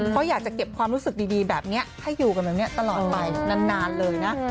เพราะอยากจะเก็บความรู้สึกดีแบบนี้ให้อยู่กันแบบนี้ตลอดไปนานเลยนะ